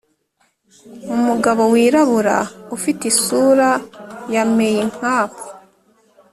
umugabo wirabura ufite isura ya meinkampf